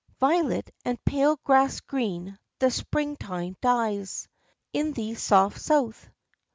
Violet and pale grass green, the Spring time dies In the soft South.